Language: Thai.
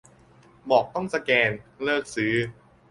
บอกต้องสแกน เลิกซื้อ